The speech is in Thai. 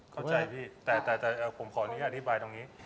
เข้าใจพี่แต่ผมขออนุญาตอธิบายตรงนี้